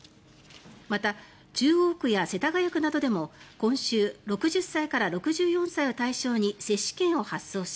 また、中央区や世田谷区などでも今週６０歳から６４歳を対象に接種券を発送し